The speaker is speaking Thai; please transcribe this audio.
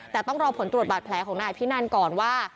แต่ต้องรอผลตรวจบาดแผลของนายอภินันก่อนว่า